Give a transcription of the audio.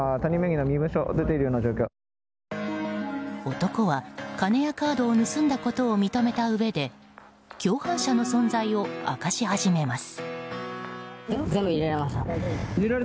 男は、金やカードを盗んだことを認めたうえで共犯者の存在を明かし始めます。